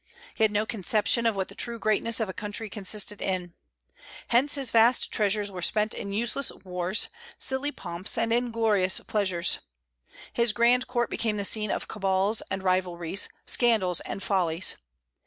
He had no conception of what the true greatness of a country consisted in. Hence his vast treasures were spent in useless wars, silly pomps, and inglorious pleasures. His grand court became the scene of cabals and rivalries, scandals and follies.